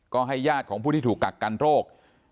ก็ให้ญาติของผู้ที่ถูกกักกันโรค